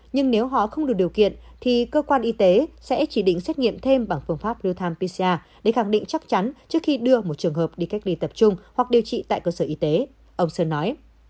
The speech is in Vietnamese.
nhưng nếu họ không đủ điều kiện thì cơ quan y tế sẽ chỉ định xét nghiệm thêm bằng phương pháp real time pcr để khẳng định chắc chắn trước khi đưa một trường hợp đi cách ly tập trung hoặc điều trị tại cơ sở y tế ông sơn nói